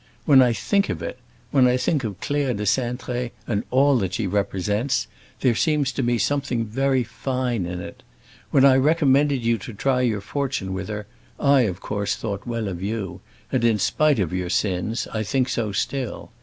When I think of it—when I think of Claire de Cintré and all that she represents, there seems to me something very fine in it. When I recommended you to try your fortune with her I of course thought well of you, and in spite of your sins I think so still.